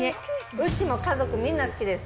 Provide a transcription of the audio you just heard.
うちも家族みんな好きです。